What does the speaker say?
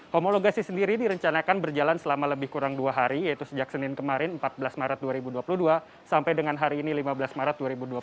homologasi sendiri direncanakan berjalan selama lebih kurang dua hari yaitu sejak senin kemarin empat belas maret dua ribu dua puluh dua sampai dengan hari ini lima belas maret dua ribu dua puluh